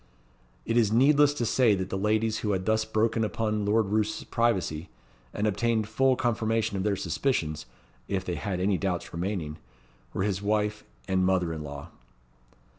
It is needless to say that the ladies who had thus broken upon Lord Roos's privacy, and obtained full confirmation of their suspicions (if they had any doubts remaining) were his wife and mother in law.